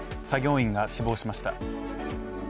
作業員が死亡しました。